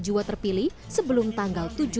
jua terpilih sebelum tanggal